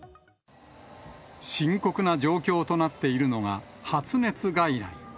深刻な状況となっているのが発熱外来。